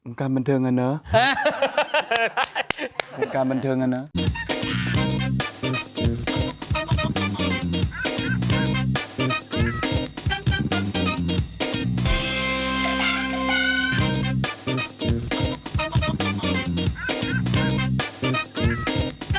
องค์การบันเทิงอ่ะเนอะผมการบันเทิงอ่ะเนอะ